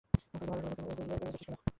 ফরিদা ভয়-পাওয়া গলায় বললেন, এরকম করছিস কেন?